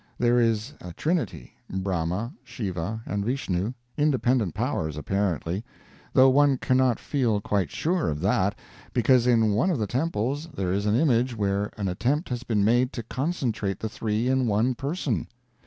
There is a trinity Brahma, Shiva, and Vishnu independent powers, apparently, though one cannot feel quite sure of that, because in one of the temples there is an image where an attempt has been made to concentrate the three in one person.